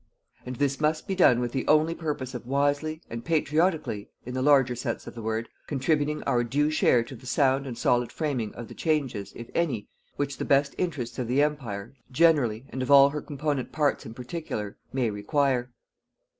And this must be done with the only purpose of wisely, and patriotically, in the larger sense of the word contributing our due share to the sound and solid framing of the changes, if any, which the best interests of the Empire, generally, and of all her component parts, in particular, may require.